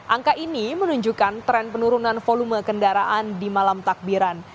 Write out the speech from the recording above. angka ini menunjukkan tren penurunan volume kendaraan di malam takbiran